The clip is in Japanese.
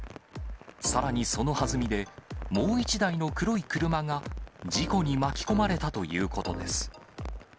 さらにそのはずみで、もう１台の黒い車が事故に巻き込まれたということです。